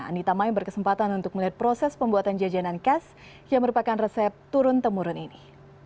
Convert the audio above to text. anita mai berkesempatan untuk melihat proses pembuatan jajanan khas yang merupakan resep turun temurun ini